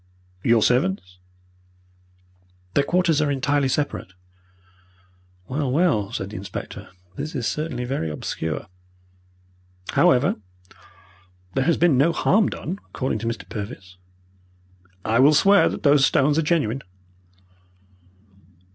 "Your servants?" "Their quarters are entirely separate." "Well, well," said the inspector, "this is certainly very obscure. However, there has been no harm done, according to Mr. Purvis." "I will swear that those stones are genuine."